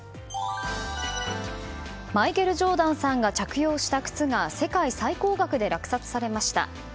マイケル・ジョーダンさんが着用した靴が世界最高額で落札されました。